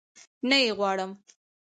نه يي غواړم